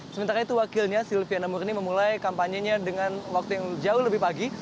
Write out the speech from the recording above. sementara itu wakilnya silviana murni memulai kampanyenya dengan waktu yang jauh lebih pagi